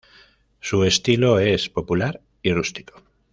Su estilo es popular y rústico.